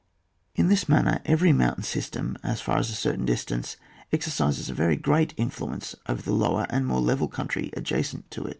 In this manner every mountain sys tem, as far as a certain distance, exer cises a very great influence over the lower and more level coimtry adjacent to it.